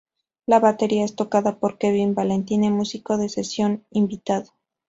La batería es tocada por Kevin Valentine, músico de sesión invitado.